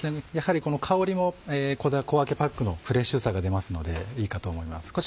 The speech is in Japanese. やはりこの香りも小分けパックのフレッシュさが出ますのでいいかと思います。